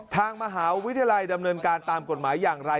ทางมหาวิทยาลัยดำเนินการตามกฎหมายอย่างไร